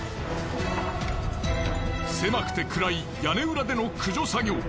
狭くて暗い屋根裏での駆除作業。